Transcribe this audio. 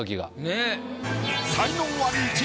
ねっ。